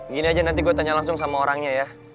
gini aja nanti gue tanya langsung sama orangnya ya